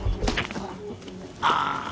ああ。